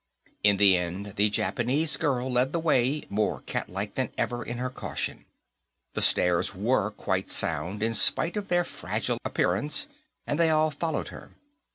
In the end, the Japanese girl led the way, more catlike than ever in her caution. The stairs were quite sound, in spite of their fragile appearance, and they all followed her.